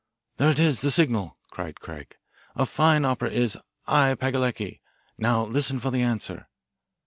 "There it is the signal," cried Craig. "'A fine opera is "I Pagliacci."' Now listen for the answer."